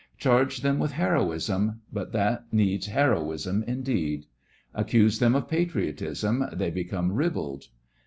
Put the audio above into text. Charge them with heroism — but that needs heroism, indeed! Accuse them of patriotism, they become ribald.